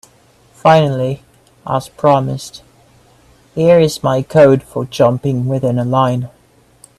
Finally, as promised, here is my code for jumping within a line.